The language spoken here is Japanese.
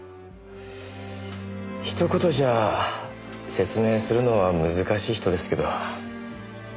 ひと言じゃ説明するのは難しい人ですけど。